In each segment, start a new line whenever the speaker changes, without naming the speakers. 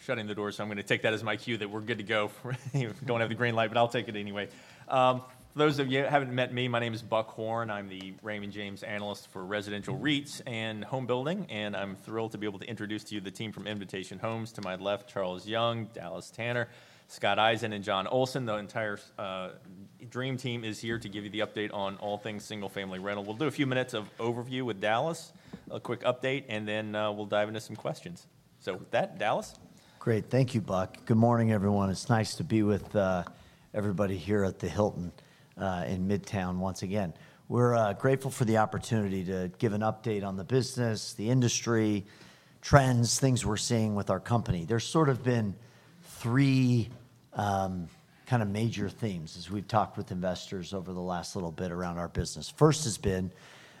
All right, shutting the doors, so I'm gonna take that as my cue that we're good to go. We don't have the green light, but I'll take it anyway. For those of you who haven't met me, my name is Buck Horne. I'm the Raymond James analyst for residential REITs and home building, and I'm thrilled to be able to introduce to you the team from Invitation Homes. To my left, Charles Young, Dallas Tanner, Scott Eisen, and Jonathan Olsen. The entire dream team is here to give you the update on all things single-family rental. We'll do a few minutes of overview with Dallas, a quick update, and then we'll dive into some questions. So with that, Dallas?
Great. Thank you, Buck. Good morning, everyone. It's nice to be with everybody here at the Hilton in Midtown once again. We're grateful for the opportunity to give an update on the business, the industry, trends, things we're seeing with our company. There's sort of been three kind of major themes as we've talked with investors over the last little bit around our business. First has been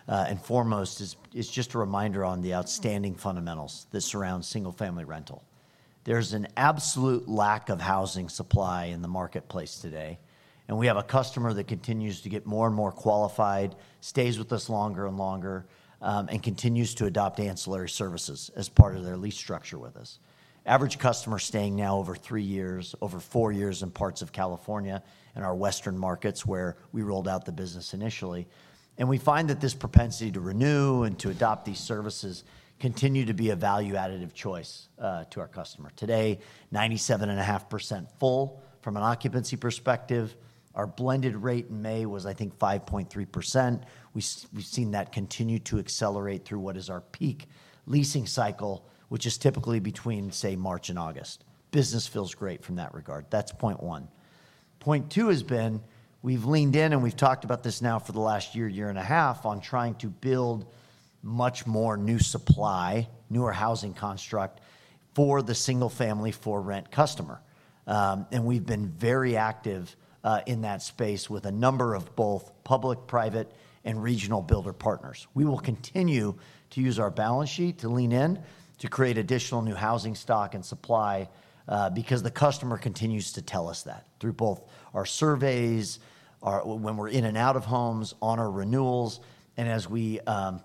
and foremost is just a reminder on the outstanding fundamentals that surround single-family rental. There's an absolute lack of housing supply in the marketplace today, and we have a customer that continues to get more and more qualified, stays with us longer and longer, and continues to adopt ancillary services as part of their lease structure with us. Average customer staying now over three years, over four years in parts of California and our western markets, where we rolled out the business initially. And we find that this propensity to renew and to adopt these services continue to be a value additive choice to our customer. Today, 97.5% full from an occupancy perspective. Our blended rate in May was, I think, 5.3%. We've seen that continue to accelerate through what is our peak leasing cycle, which is typically between, say, March and August. Business feels great from that regard. That's point one. Point two has been we've leaned in, and we've talked about this now for the last year, year and a half, on trying to build much more new supply, newer housing construct, for the single-family for-rent customer. And we've been very active in that space with a number of both public, private, and regional builder partners. We will continue to use our balance sheet to lean in to create additional new housing stock and supply, because the customer continues to tell us that through both our surveys, when we're in and out of homes, on our renewals, and as we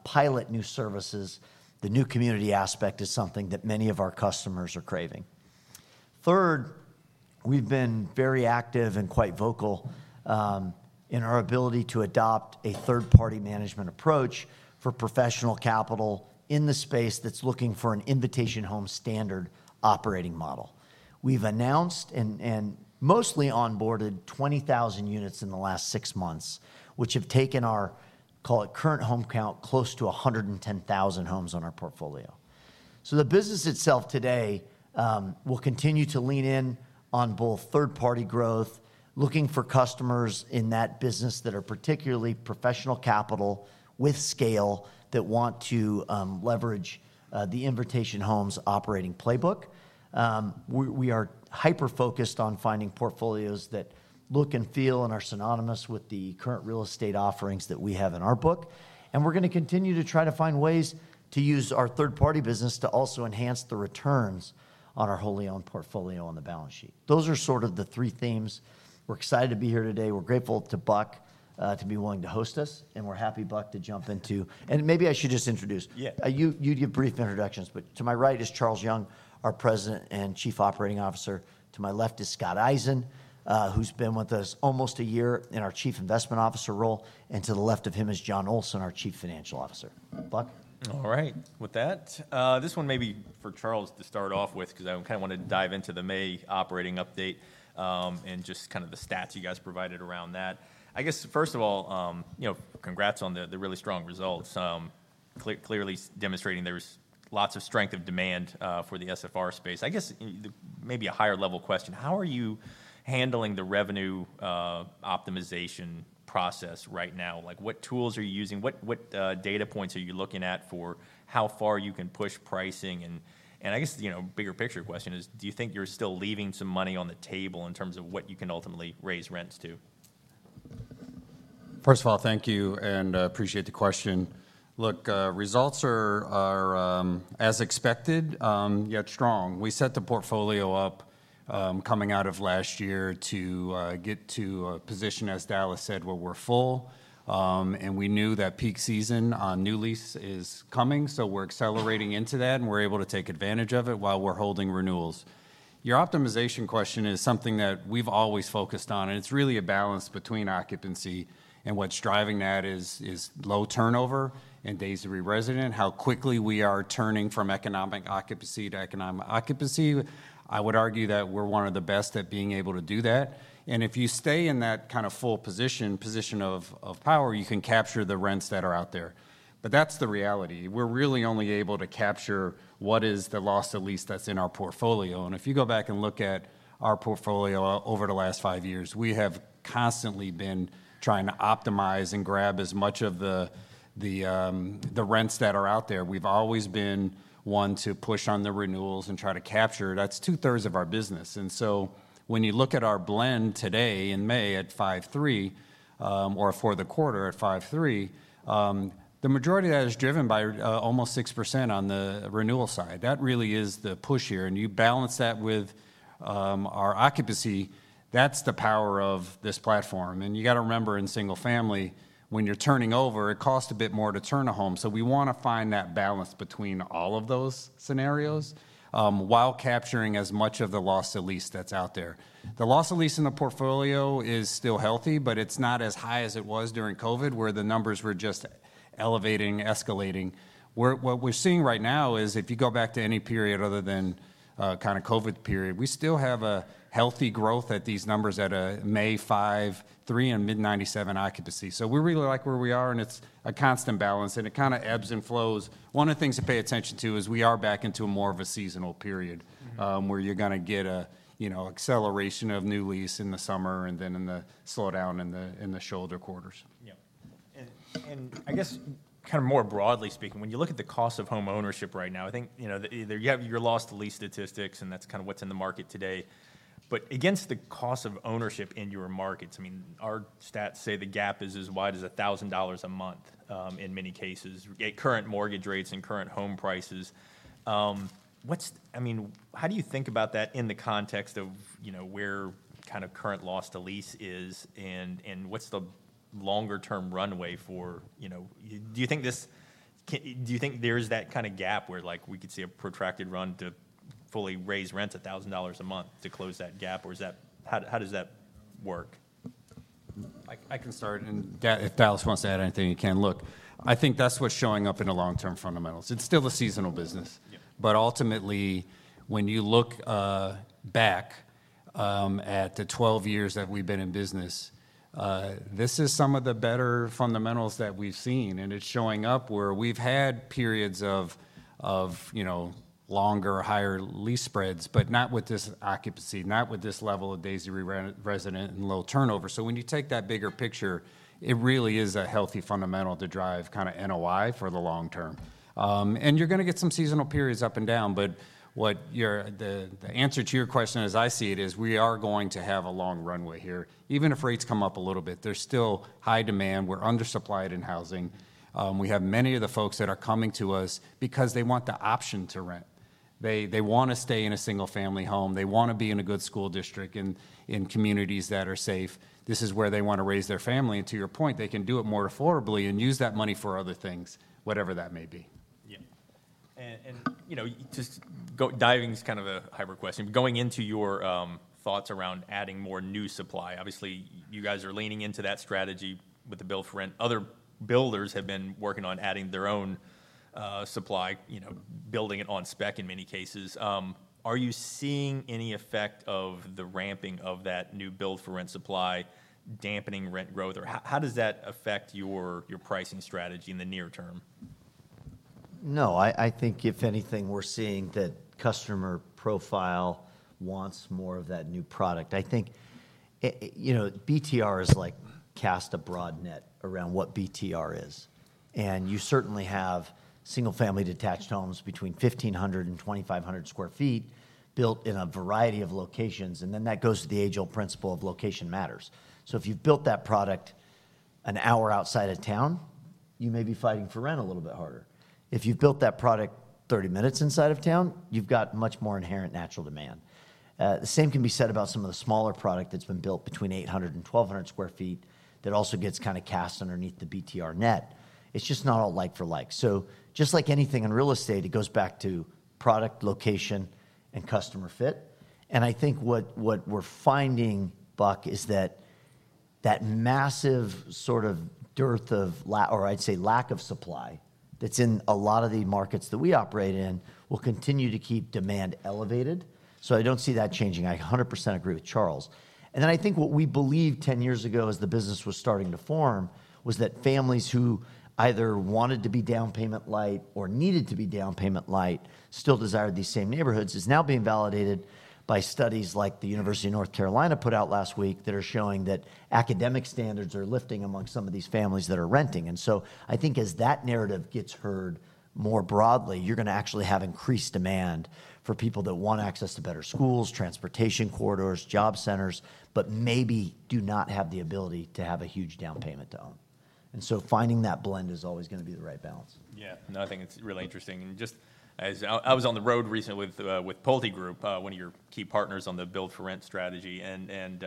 pilot new services, the new community aspect is something that many of our customers are craving. Third, we've been very active and quite vocal in our ability to adopt a third-party management approach for professional capital in the space that's looking for an Invitation Homes standard operating model. We've announced and mostly onboarded 20,000 units in the last six months, which have taken our, call it current home count, close to 110,000 homes on our portfolio. So the business itself today will continue to lean in on both third-party growth, looking for customers in that business that are particularly professional capital with scale that want to leverage the Invitation Homes operating playbook. We are hyper-focused on finding portfolios that look and feel and are synonymous with the current real estate offerings that we have in our book, and we're gonna continue to try to find ways to use our third-party business to also enhance the returns on our wholly owned portfolio on the balance sheet. Those are sort of the three themes. We're excited to be here today. We're grateful to Buck to be willing to host us, and we're happy, Buck, to jump into- and maybe I should just introduce.
Yeah.
You give brief introductions, but to my right is Charles Young, our President and Chief Operating Officer. To my left is Scott Eisen, who's been with us almost a year in our Chief Investment Officer role, and to the left of him is Jonathan Olsen, our Chief Financial Officer. Buck?
All right. With that, this one may be for Charles to start off with, because I kind of wanted to dive into the May operating update, and just kind of the stats you guys provided around that. I guess, first of all, you know, congrats on the really strong results, clearly demonstrating there's lots of strength of demand for the SFR space. I guess, maybe a higher level question, how are you handling the revenue optimization process right now? Like, what tools are you using? What data points are you looking at for how far you can push pricing, and I guess, you know, bigger picture question is, do you think you're still leaving some money on the table in terms of what you can ultimately raise rents to?
First of all, thank you, and appreciate the question. Look, results are as expected, yet strong. We set the portfolio up coming out of last year to get to a position, as Dallas said, where we're full, and we knew that peak season on new lease is coming, so we're accelerating into that, and we're able to take advantage of it while we're holding renewals. Your optimization question is something that we've always focused on, and it's really a balance between occupancy, and what's driving that is low turnover and days to re-resident, how quickly we are turning from economic occupancy to economic occupancy. I would argue that we're one of the best at being able to do that, and if you stay in that kind of full position of power, you can capture the rents that are out there. But that's the reality. We're really only able to capture what is the loss to lease that's in our portfolio, and if you go back and look at our portfolio over the last five years, we have constantly been trying to optimize and grab as much of the rents that are out there. We've always been one to push on the renewals and try to capture it. That's two-thirds of our business, and so when you look at our blend today in May at 5.3, or for the quarter at 5.3, the majority of that is driven by, almost 6% on the renewal side. That really is the push here, and you balance that with, our occupancy, that's the power of this platform. And you gotta remember in single family, when you're turning over, it costs a bit more to turn a home. So we wanna find that balance between all of those scenarios, while capturing as much of the loss to lease that's out there. The loss to lease in the portfolio is still healthy, but it's not as high as it was during COVID, where the numbers were just elevating, escalating. What we're seeing right now is, if you go back to any period other than kind of COVID period, we still have a healthy growth at these numbers at 95.3% and mid-97% occupancy. So we really like where we are, and it's a constant balance, and it kind of ebbs and flows. One of the things to pay attention to is we are back into more of a seasonal period.
Mm-hmm.
where you're gonna get a, you know, acceleration of new lease in the summer, and then the slowdown in the shoulder quarters.
Yeah. And, and I guess kind of more broadly speaking, when you look at the cost of homeownership right now, I think, you know, either you have your loss to lease statistics, and that's kind of what's in the market today. But against the cost of ownership in your markets, I mean, our stats say the gap is as wide as $1,000 a month in many cases, at current mortgage rates and current home prices. What's, I mean, how do you think about that in the context of, you know, where kind of current loss to lease is, and, and what's the longer-term runway for. You know, do you think there's that kind of gap where, like, we could see a protracted run to fully raise rents $1,000 a month to close that gap, or is that, how does that work?
I can start, and if Dallas wants to add anything, he can. Look, I think that's what's showing up in the long-term fundamentals. It's still a seasonal business.
Yeah.
But ultimately, when you look back at the 12 years that we've been in business, this is some of the better fundamentals that we've seen, and it's showing up where we've had periods of, you know, longer, higher lease spreads, but not with this occupancy, not with this level of days to re-rent resident and low turnover. So when you take that bigger picture, it really is a healthy fundamental to drive kind of NOI for the long term. And you're gonna get some seasonal periods up and down, but the answer to your question, as I see it, is we are going to have a long runway here. Even if rates come up a little bit, there's still high demand. We're undersupplied in housing. We have many of the folks that are coming to us because they want the option to rent. They want to stay in a single-family home. They want to be in a good school district, in communities that are safe. This is where they want to raise their family. And to your point, they can do it more affordably and use that money for other things, whatever that may be.
Yeah. And you know, just going diving is kind of a hybrid question. Going into your thoughts around adding more new supply, obviously, you guys are leaning into that strategy with the build for rent. Other builders have been working on adding their own supply, you know, building it on spec in many cases. Are you seeing any effect of the ramping of that new build-for-rent supply dampening rent growth? Or how does that affect your pricing strategy in the near term?
No, I think if anything, we're seeing that customer profile wants more of that new product. I think, you know, BTR is like cast a broad net around what BTR is. And you certainly have single-family detached homes between 1,500 and 2,500 sq ft built in a variety of locations, and then that goes to the age-old principle of location matters. So if you've built that product an hour outside of town, you may be fighting for rent a little bit harder. If you've built that product thirty minutes inside of town, you've got much more inherent natural demand. The same can be said about some of the smaller product that's been built between 800 and 1,200 sq ft that also gets kind of cast underneath the BTR net. It's just not all like for like. So just like anything in real estate, it goes back to product, location, and customer fit. And I think what we're finding, Buck, is that massive sort of dearth of la- or I'd say, lack of supply, that's in a lot of the markets that we operate in will continue to keep demand elevated. So I don't see that changing. I 100% agree with Charles. And then I think what we believed 10 years ago as the business was starting to form, was that families who either wanted to be down payment light or needed to be down payment light, still desired these same neighborhoods, is now being validated by studies like the University of North Carolina put out last week, that are showing that academic standards are lifting among some of these families that are renting. And so I think as that narrative gets heard more broadly, you're gonna actually have increased demand for people that want access to better schools, transportation corridors, job centers, but maybe do not have the ability to have a huge down payment to own. And so finding that blend is always gonna be the right balance.
Yeah. No, I think it's really interesting. Just as I was on the road recently with PulteGroup, one of your key partners on the build-for-rent strategy, and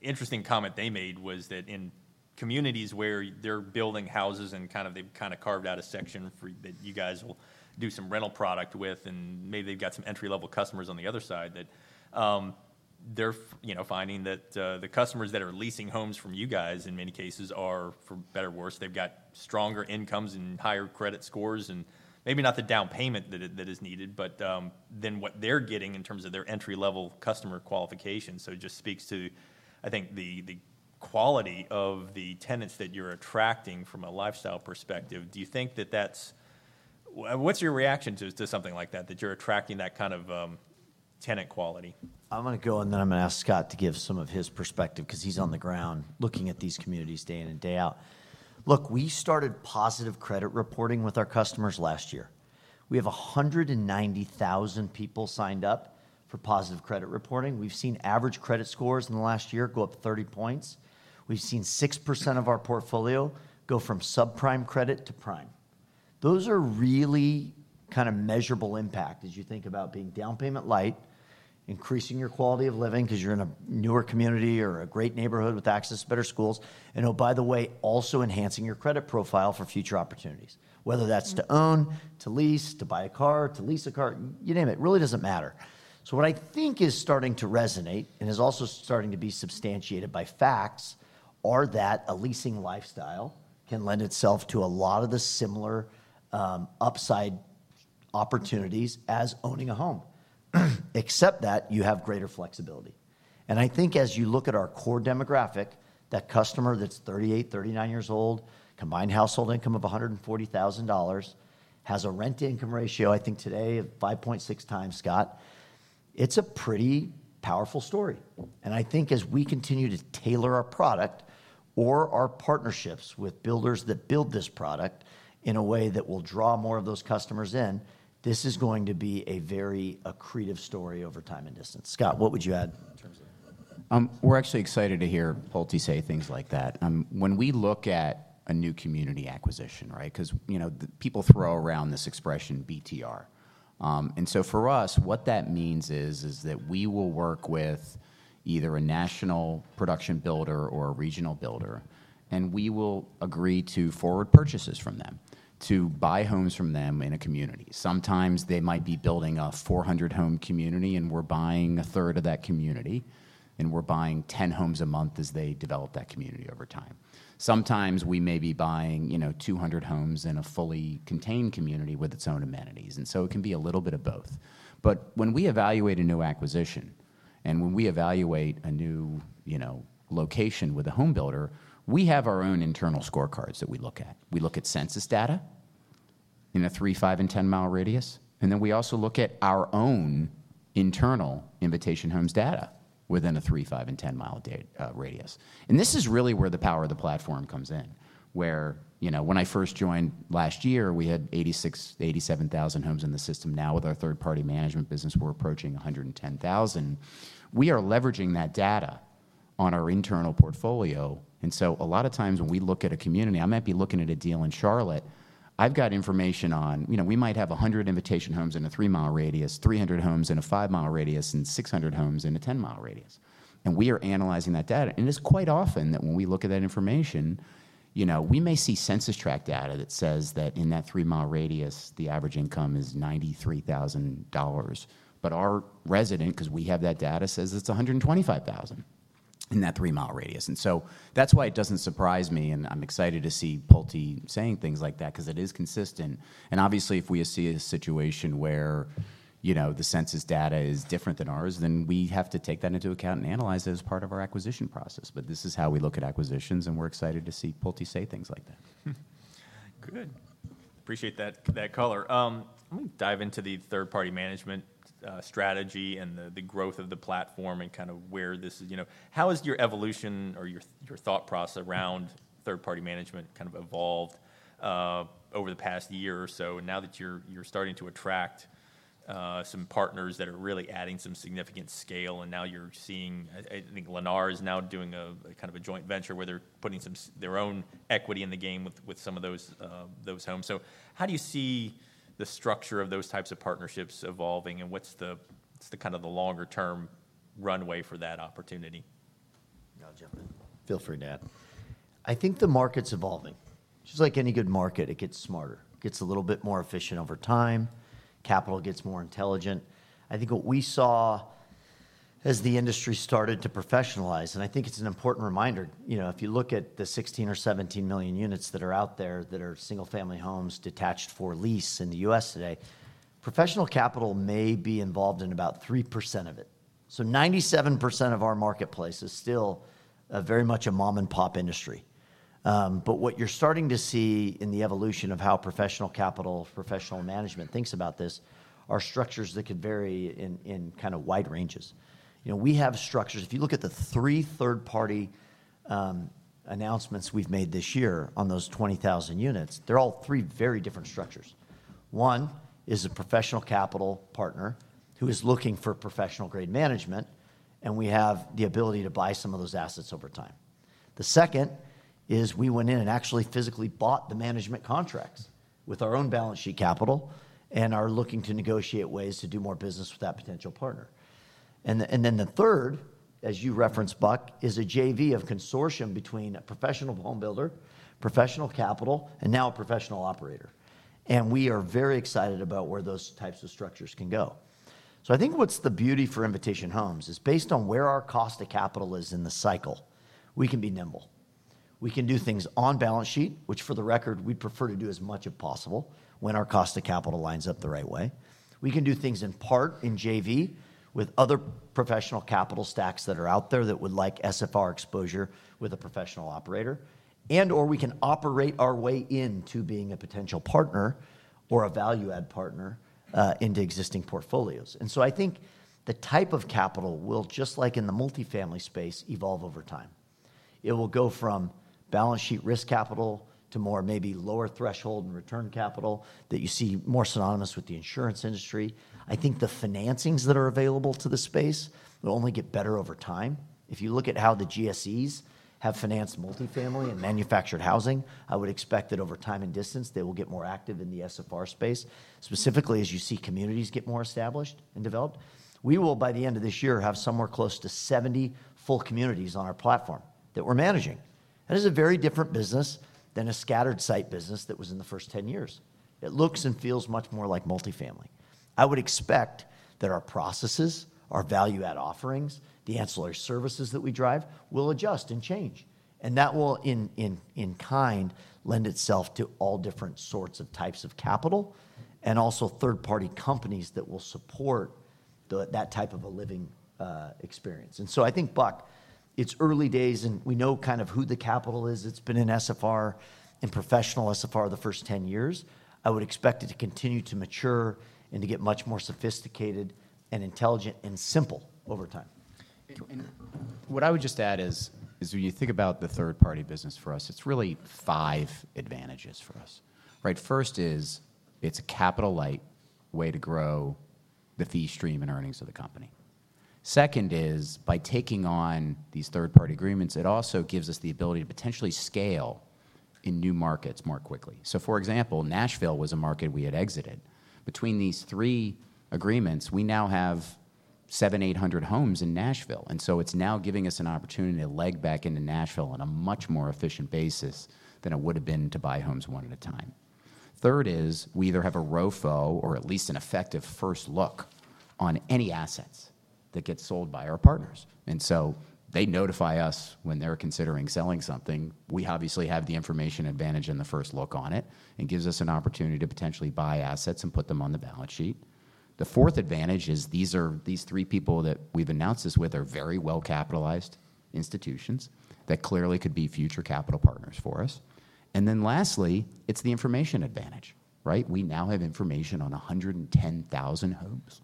interesting comment they made was that in communities where they're building houses and they've kind of carved out a section for that you guys will do some rental product with, and maybe they've got some entry-level customers on the other side, that they're you know, finding that the customers that are leasing homes from you guys, in many cases, are, for better or worse, they've got stronger incomes and higher credit scores, and maybe not the down payment that is needed, but than what they're getting in terms of their entry-level customer qualification. So it just speaks to, I think, the quality of the tenants that you're attracting from a lifestyle perspective. What's your reaction to, to something like that, that you're attracting that kind of tenant quality?
I'm gonna go, and then I'm gonna ask Scott to give some of his perspective, 'cause he's on the ground looking at these communities day in and day out. Look, we started positive credit reporting with our customers last year. We have 190,000 people signed up for positive credit reporting. We've seen average credit scores in the last year go up 30 points. We've seen 6% of our portfolio go from subprime credit to prime. Those are really kind of measurable impact as you think about being down payment light, increasing your quality of living, 'cause you're in a newer community or a great neighborhood with access to better schools, and oh, by the way, also enhancing your credit profile for future opportunities, whether that's to own, to lease, to buy a car, to lease a car, you name it. Really doesn't matter. So what I think is starting to resonate, and is also starting to be substantiated by facts, are that a leasing lifestyle can lend itself to a lot of the similar, upside opportunities as owning a home, except that you have greater flexibility. And I think as you look at our core demographic, that customer that's 38, 39 years old, combined household income of $140,000, has a rent-to-income ratio, I think today, of 5.6 times, Scott, it's a pretty powerful story. And I think as we continue to tailor our product or our partnerships with builders that build this product in a way that will draw more of those customers in, this is going to be a very accretive story over time and distance. Scott, what would you add in terms of-
We're actually excited to hear Pulte say things like that. When we look at a new community acquisition, right? 'Cause, you know, the people throw around this expression, BTR. And so for us, what that means is, is that we will work with either a national production builder or a regional builder, and we will agree to forward purchases from them, to buy homes from them in a community. Sometimes they might be building a 400-home community, and we're buying a third of that community, and we're buying 10 homes a month as they develop that community over time. Sometimes we may be buying, you know, 200 homes in a fully contained community with its own amenities, and so it can be a little bit of both. But when we evaluate a new acquisition, and when we evaluate a new, you know, location with a home builder, we have our own internal scorecards that we look at. We look at census data in a 3-, 5-, and 10-mile radius, and then we also look at our own internal Invitation Homes data within a 3-, 5-, and 10-mile radius. And this is really where the power of the platform comes in, where, you know, when I first joined last year, we had 86,000-87,000 homes in the system. Now, with our third-party management business, we're approaching 110,000. We are leveraging that data on our internal portfolio, and so a lot of times when we look at a community, I might be looking at a deal in Charlotte, I've got information on. You know, we might have 100 Invitation Homes in a 3-mile radius, 300 homes in a 5-mile radius, and 600 homes in a 10-mile radius, and we are analyzing that data. It's quite often that when we look at that information, you know, we may see census tract data that says that in that 3-mile radius, the average income is $93,000, but our resident, 'cause we have that data, says it's $125,000 in that 3-mile radius. So that's why it doesn't surprise me, and I'm excited to see Pulte saying things like that, 'cause it is consistent. Obviously, if we see a situation where, you know, the census data is different than ours, then we have to take that into account and analyze it as part of our acquisition process. But this is how we look at acquisitions, and we're excited to see Pulte say things like that.
Good. Appreciate that, that color. I'm gonna dive into the third-party management strategy and the growth of the platform and kind of where this is. You know, how has your evolution or your thought process around third-party management kind of evolved over the past year or so, now that you're starting to attract some partners that are really adding some significant scale, and now you're seeing. I think Lennar is now doing a kind of a joint venture, where they're putting some their own equity in the game with some of those homes. So how do you see the structure of those types of partnerships evolving, and what's the kind of the longer term runway for that opportunity?
You want to jump in? Feel free to add. I think the market's evolving. Just like any good market, it gets smarter. Gets a little bit more efficient over time, capital gets more intelligent. I think what we saw as the industry started to professionalize, and I think it's an important reminder, you know, if you look at the 16 or 17 million units that are out there that are single-family homes, detached, for lease in the U.S. today, professional capital may be involved in about 3% of it. So 97% of our marketplace is still very much a mom-and-pop industry. But what you're starting to see in the evolution of how professional capital, professional management thinks about this, are structures that could vary in kind of wide ranges. You know, we have structures. If you look at the three third-party announcements we've made this year on those 20,000 units, they're all three very different structures. One is a professional capital partner who is looking for professional-grade management, and we have the ability to buy some of those assets over time. The second is, we went in and actually physically bought the management contracts with our own balance sheet capital and are looking to negotiate ways to do more business with that potential partner. And then the third, as you referenced, Buck, is a JV of consortium between a professional home builder, professional capital, and now a professional operator, and we are very excited about where those types of structures can go. So I think what's the beauty for Invitation Homes is, based on where our cost to capital is in the cycle, we can be nimble. We can do things on balance sheet, which, for the record, we'd prefer to do as much as possible, when our cost to capital lines up the right way. We can do things in part in JV with other professional capital stacks that are out there that would like SFR exposure with a professional operator, and/or we can operate our way into being a potential partner or a value-add partner into existing portfolios. And so I think the type of capital will, just like in the multifamily space, evolve over time. It will go from balance sheet risk capital to more maybe lower threshold and return capital that you see more synonymous with the insurance industry. I think the financings that are available to the space will only get better over time. If you look at how the GSEs have financed multifamily and manufactured housing, I would expect that over time and distance, they will get more active in the SFR space, specifically as you see communities get more established and developed. We will, by the end of this year, have somewhere close to 70 full communities on our platform that we're managing. That is a very different business than a scattered site business that was in the first 10 years. It looks and feels much more like multifamily. I would expect that our processes, our value-add offerings, the ancillary services that we drive, will adjust and change, and that will in kind lend itself to all different sorts of types of capital, and also third-party companies that will support the, that type of a living experience. So I think, Buck, it's early days, and we know kind of who the capital is. It's been in SFR, in professional SFR, the first 10 years. I would expect it to continue to mature and to get much more sophisticated and intelligent and simple over time.
What I would just add is when you think about the third-party business for us, it's really five advantages for us, right? First is, it's a capital-light way to grow the fee stream and earnings of the company. Second is, by taking on these third-party agreements, it also gives us the ability to potentially scale in new markets more quickly. So, for example, Nashville was a market we had exited. Between these three agreements, we now have 700-800 homes in Nashville, and so it's now giving us an opportunity to leg back into Nashville on a much more efficient basis than it would've been to buy homes one at a time. Third is, we either have a ROFO or at least an effective first look on any assets that get sold by our partners. And so they notify us when they're considering selling something. We obviously have the information advantage and the first look on it. It gives us an opportunity to potentially buy assets and put them on the balance sheet. The fourth advantage is, these three people that we've announced this with are very well-capitalized institutions that clearly could be future capital partners for us. And then lastly, it's the information advantage, right? We now have information on 110,000 homes,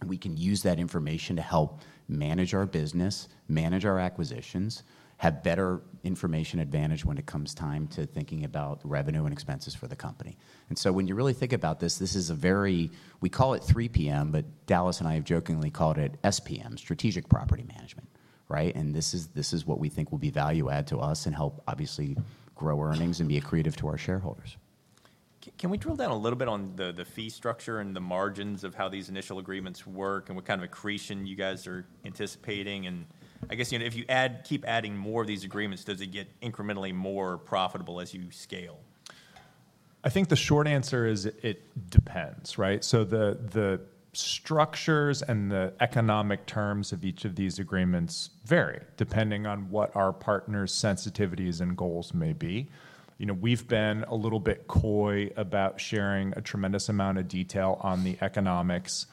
and we can use that information to help manage our business, manage our acquisitions, have better information advantage when it comes time to thinking about revenue and expenses for the company. And so when you really think about this, this is a very. We call it 3PM, but Dallas and I have jokingly called it SPM, Strategic Property Management, right? This is, this is what we think will be value add to us and help obviously grow earnings and be accretive to our shareholders.
Can we drill down a little bit on the fee structure and the margins of how these initial agreements work, and what kind of accretion you guys are anticipating? And I guess, you know, if you add, keep adding more of these agreements, does it get incrementally more profitable as you scale?
I think the short answer is, it depends, right? So the structures and the economic terms of each of these agreements vary depending on what our partners' sensitivities and goals may be. You know, we've been a little bit coy about sharing a tremendous amount of detail on the economics,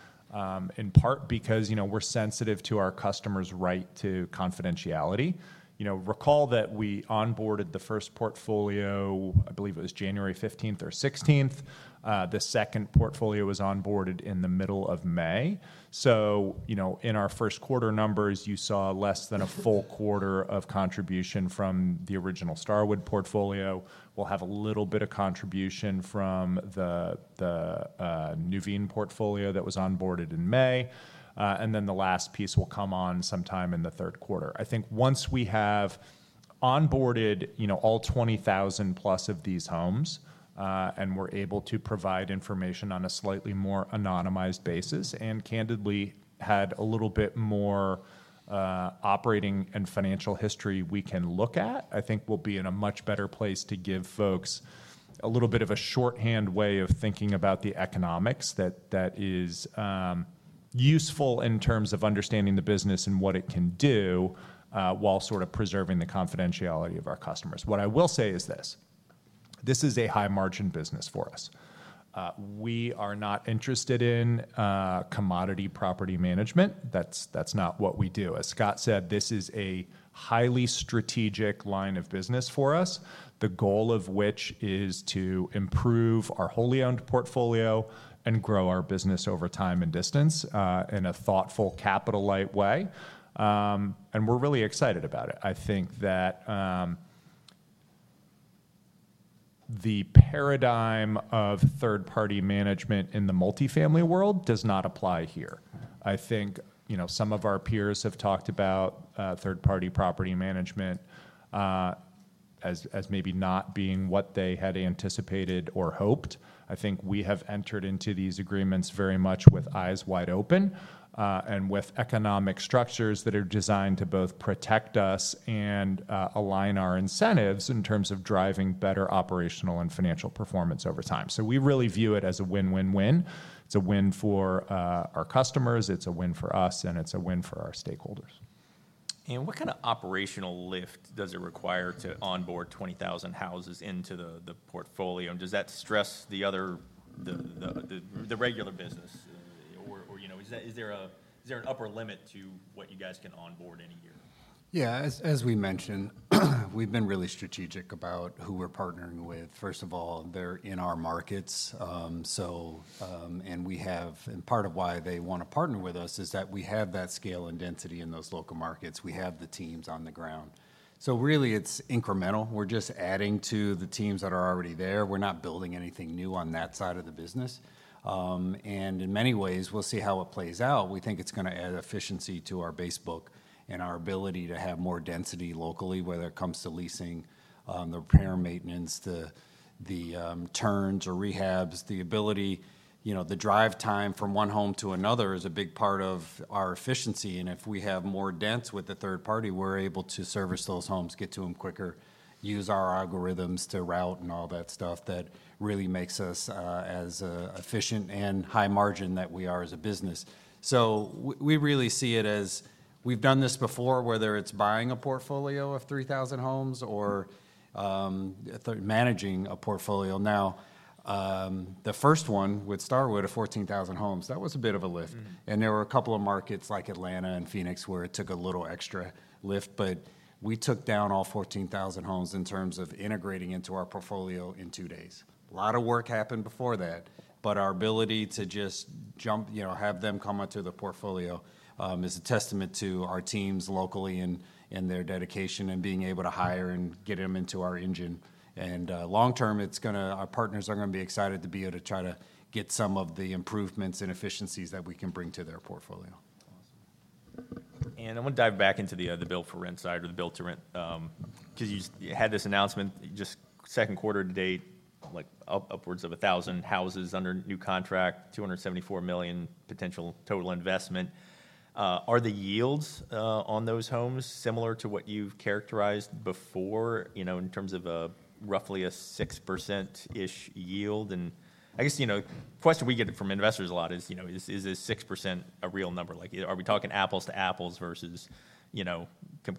in part because, you know, we're sensitive to our customers' right to confidentiality. You know, recall that we onboarded the first portfolio, I believe it was January 15th or 16th. The second portfolio was onboarded in the middle of May. So, you know, in our first quarter numbers, you saw less than a full quarter of contribution from the original Starwood portfolio. We'll have a little bit of contribution from the Nuveen portfolio that was onboarded in May. And then the last piece will come on sometime in the third quarter. I think once we have onboarded, you know, all 20,000+ of these homes, and we're able to provide information on a slightly more anonymized basis, and candidly, had a little bit more operating and financial history we can look at, I think we'll be in a much better place to give folks a little bit of a shorthand way of thinking about the economics that is useful in terms of understanding the business and what it can do, while sort of preserving the confidentiality of our customers. What I will say is this: This is a high-margin business for us. We are not interested in commodity property management. That's not what we do. As Scott said, this is a highly strategic line of business for us, the goal of which is to improve our wholly owned portfolio and grow our business over time and distance, in a thoughtful, capital-light way. And we're really excited about it. I think that, the paradigm of third-party management in the multifamily world does not apply here. I think, you know, some of our peers have talked about, third-party property management, as, as maybe not being what they had anticipated or hoped. I think we have entered into these agreements very much with eyes wide open, and with economic structures that are designed to both protect us and, align our incentives in terms of driving better operational and financial performance over time. So we really view it as a win-win-win. It's a win for our customers, it's a win for us, and it's a win for our stakeholders.
What kind of operational lift does it require to onboard 20,000 houses into the portfolio? And does that stress the other regular business? Or, you know, is there an upper limit to what you guys can onboard in a year?
Yeah, as we mentioned, we've been really strategic about who we're partnering with. First of all, they're in our markets, so. And part of why they wanna partner with us is that we have that scale and density in those local markets. We have the teams on the ground. So really, it's incremental. We're just adding to the teams that are already there. We're not building anything new on that side of the business. And in many ways, we'll see how it plays out. We think it's gonna add efficiency to our base book and our ability to have more density locally, whether it comes to leasing, the repair and maintenance, the turns or rehabs. The ability, you know, the drive time from one home to another is a big part of our efficiency, and if we have more dense with the third party, we're able to service those homes, get to them quicker, use our algorithms to route and all that stuff that really makes us as efficient and high margin that we are as a business. So we really see it as we've done this before, whether it's buying a portfolio of 3,000 homes or managing a portfolio. Now, the first one with Starwood of 14,000 homes, that was a bit of a lift.
Mm.
And there were a couple of markets like Atlanta and Phoenix, where it took a little extra lift, but we took down all 14,000 homes in terms of integrating into our portfolio in 2 days. A lot of work happened before that, but our ability to just jump, you know, have them come into the portfolio, is a testament to our teams locally and their dedication, and being able to hire and get them into our engine. And long term, it's gonna our partners are gonna be excited to be able to try to get some of the improvements and efficiencies that we can bring to their portfolio.
Awesome. And I wanna dive back into the build for rent side or the build to rent, 'cause you had this announcement, just second quarter to date, like upwards of 1,000 houses under new contract, $274 million potential total investment. Are the yields on those homes similar to what you've characterized before, you know, in terms of a roughly a 6%-ish yield? And I guess, you know, the question we get from investors a lot is, you know, "Is this 6% a real number?" Like, are we talking apples to apples versus, you know,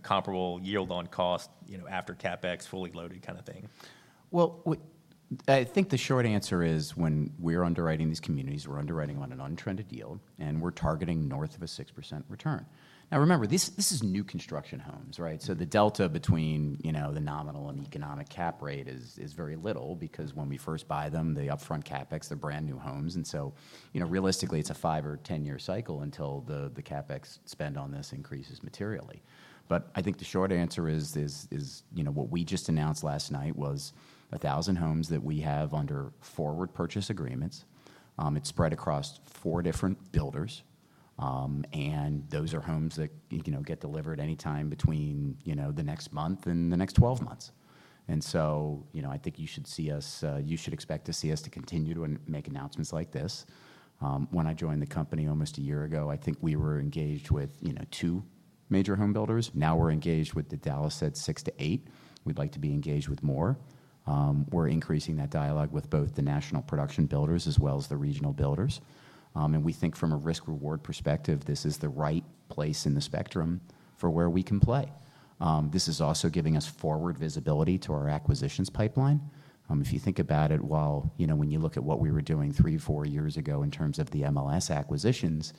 comparable yield on cost, you know, after CapEx, fully loaded kind of thing?
Well, I think the short answer is, when we're underwriting these communities, we're underwriting on an untrended yield, and we're targeting north of a 6% return. Now, remember, this, this is new construction homes, right? So the delta between, you know, the nominal and economic cap rate is, is very little because when we first buy them, the upfront CapEx, they're brand-new homes. And so, you know, realistically, it's a 5- or 10-year cycle until the, the CapEx spend on this increases materially. But I think the short answer is, is, you know, what we just announced last night was 1,000 homes that we have under forward purchase agreements. It's spread across 4 different builders. And those are homes that, you know, get delivered any time between, you know, the next month and the next 12 months. And so, you know, I think you should see us. You should expect to see us continue to make announcements like this. When I joined the company almost a year ago, I think we were engaged with, you know, two major home builders. Now, we're engaged with, like, six to eight. We'd like to be engaged with more. We're increasing that dialogue with both the national production builders as well as the regional builders. And we think from a risk-reward perspective, this is the right place in the spectrum for where we can play. This is also giving us forward visibility to our acquisitions pipeline. If you think about it, while, you know, when you look at what we were doing three, four years ago in terms of the MLS acquisitions,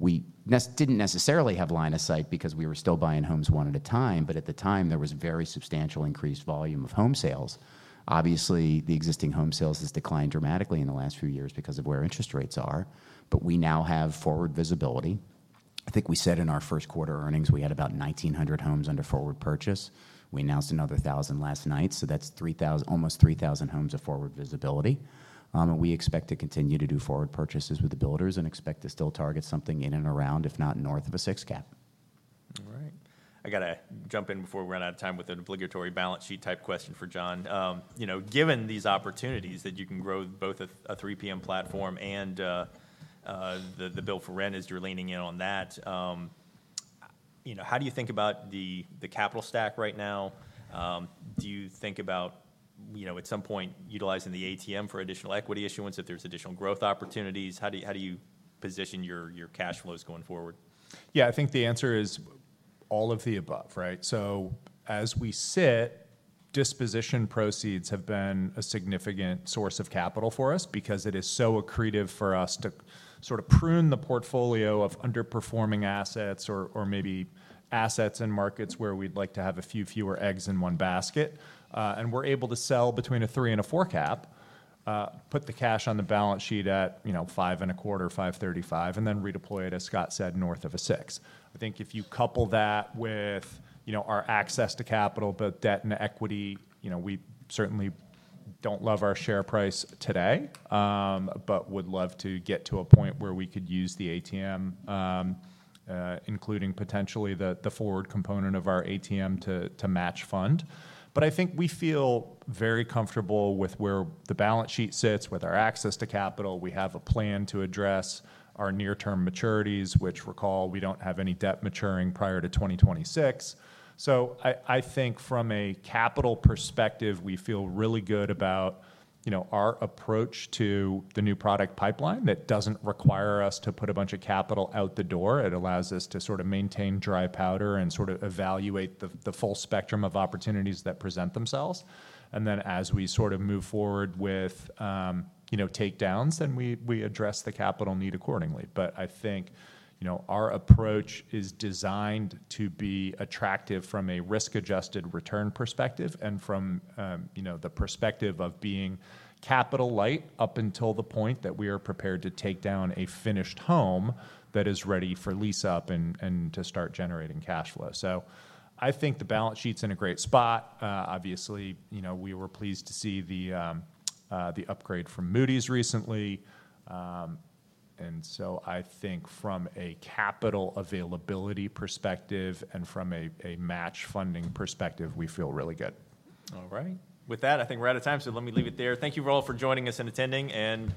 we didn't necessarily have line of sight because we were still buying homes one at a time, but at the time, there was very substantial increased volume of home sales. Obviously, the existing home sales has declined dramatically in the last few years because of where interest rates are, but we now have forward visibility. I think we said in our first quarter earnings, we had about 1,900 homes under forward purchase. We announced another 1,000 last night, so that's 3,000 - almost 3,000 homes of forward visibility. And we expect to continue to do forward purchases with the builders and expect to still target something in and around, if not north of a 6 cap.
All right. I gotta jump in before we run out of time with an obligatory balance sheet-type question for John. You know, given these opportunities that you can grow both a 3PM platform and the build for rent as you're leaning in on that, you know, how do you think about the capital stack right now? Do you think about, you know, at some point, utilizing the ATM for additional equity issuance if there's additional growth opportunities? How do you position your cash flows going forward?
Yeah, I think the answer is all of the above, right? So as we sit, disposition proceeds have been a significant source of capital for us because it is so accretive for us to sort of prune the portfolio of underperforming assets or maybe assets in markets where we'd like to have a few fewer eggs in one basket. And we're able to sell between a 3-4 cap, put the cash on the balance sheet at, you know, 5.25, 5.35, and then redeploy it, as Scott said, north of a 6. I think if you couple that with, you know, our access to capital, both debt and equity, you know, we certainly don't love our share price today, but would love to get to a point where we could use the ATM, including potentially the forward component of our ATM to match fund. But I think we feel very comfortable with where the balance sheet sits, with our access to capital. We have a plan to address our near-term maturities, which recall, we don't have any debt maturing prior to 2026. So I think from a capital perspective, we feel really good about, you know, our approach to the new product pipeline that doesn't require us to put a bunch of capital out the door. It allows us to sort of maintain dry powder and sort of evaluate the full spectrum of opportunities that present themselves. And then, as we sort of move forward with, you know, takedowns, then we address the capital need accordingly. But I think, you know, our approach is designed to be attractive from a risk-adjusted return perspective and from, you know, the perspective of being capital light up until the point that we are prepared to take down a finished home that is ready for lease-up and to start generating cash flow. So I think the balance sheet's in a great spot. Obviously, you know, we were pleased to see the upgrade from Moody's recently. And so I think from a capital availability perspective and from a match funding perspective, we feel really good.
All right. With that, I think we're out of time, so let me leave it there. Thank you all for joining us and attending, and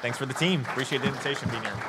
thanks for the team. Appreciate the invitation to be here.